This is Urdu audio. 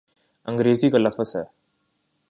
انگریزی کا لفظ ہے۔